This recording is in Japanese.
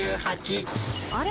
あれ？